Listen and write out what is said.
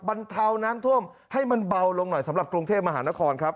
บรรเทาน้ำท่วมให้มันเบาลงหน่อยสำหรับกรุงเทพมหานครครับ